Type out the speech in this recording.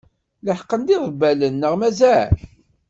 Leḥqen-d yiḍebbalen, neɣ mazal?